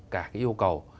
cả cái yêu cầu